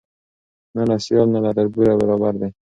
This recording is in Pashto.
نه له سیال نه له تربوره برابر دی